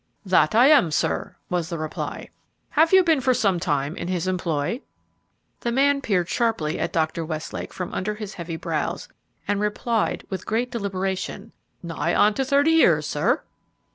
"That I am, sir," was the reply. "Have you been for some time in his employ?" The man peered sharply at Dr. Westlake from under his heavy brows, and replied, with great deliberation, "Nigh onto thirty years, sir."